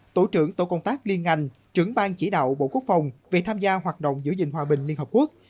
tổ trưởng tổ công tác liên ngành trưởng bang chỉ đạo bộ quốc phòng về tham gia hoạt động giữ gìn hòa bình liên hợp quốc